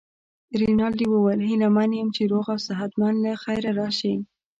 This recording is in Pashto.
رینالډي وویل: هیله من یم چي روغ او صحت مند له خیره راشې.